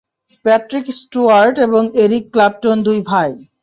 Patrick Stewart এবং Eric Clapton দুই ভাই।